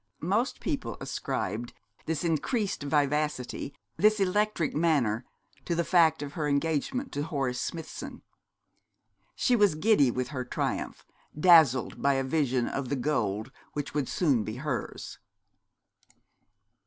Most people ascribed this increased vivacity, this electric manner, to the fact of her engagement to Horace Smithson. She was giddy with her triumph, dazzled by a vision of the gold which was soon to be hers.